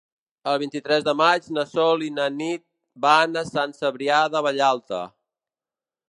El vint-i-tres de maig na Sol i na Nit van a Sant Cebrià de Vallalta.